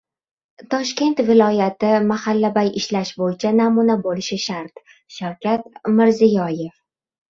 Toshkent viloyati «mahallabay» ishlash bo‘yicha namuna bo‘lishi shart - Shavkat Mirziyoyev